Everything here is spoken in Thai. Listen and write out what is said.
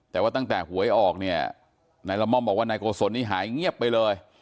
แต่ว่าตั้งแต่หวยออกเนี่ยนายละม่อมบอกว่านายโกศลนี่หายเงียบไปเลย